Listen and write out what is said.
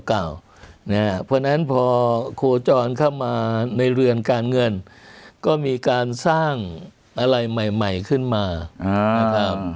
เพราะฉะนั้นพอโคจรเข้ามาในเรือนการเงินก็มีการสร้างอะไรใหม่ขึ้นมานะครับ